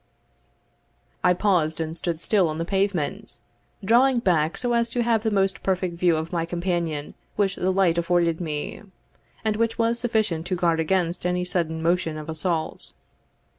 I paused and stood still on the pavement, drawing back so as to have the most perfect view of my companion which the light afforded me, and which was sufficient to guard against any sudden motion of assault.